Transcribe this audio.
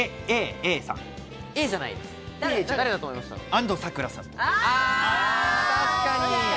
安藤サクラさんとか？